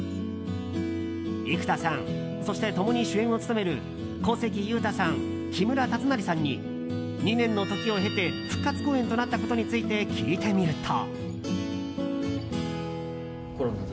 生田さんそして共に主演を務める小関裕太さん、木村達成さんに２年の時を経て復活公演となったことについて聞いてみると。